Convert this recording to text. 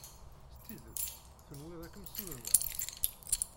S tidet tenwiḍ ad kem-ssudneɣ?